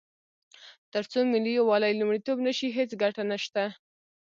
تر څو ملي یووالی لومړیتوب نه شي، هیڅ ګټه نشته.